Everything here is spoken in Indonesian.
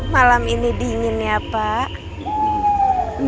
malam ini dingin ya pak